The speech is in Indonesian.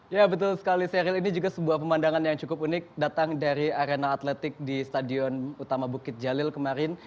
ya betul sekali seril ini juga sebuah pemandangan yang cukup unik datang dari arena atletik di stadion utama bukit jalil kemarin